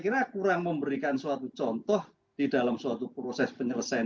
sehingga selaras juga ketika suatu putusan di akhir tidak ada penyesalan